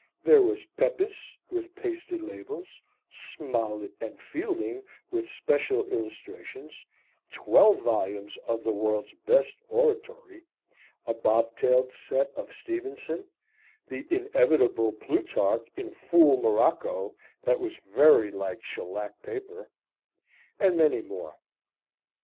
There was Pepys with pasted labels, Smollett and Fielding with special illustrations, twelve volumes of the World's Best Oratory, a bobtailed set of Stevenson, the inevitable Plutarch in fool morocco that was very like shellacked paper, and many more.